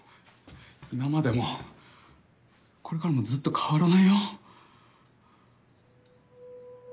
今までもこれからもずっと変わらないよ。